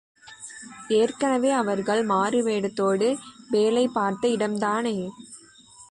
ஏற்கெனவே அவர்கள் மாறுவேடத்தோடு வேலை பார்த்த இடம்தானே?